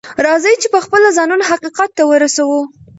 راځئ چې پخپله ځانونه حقيقت ته ورسوو.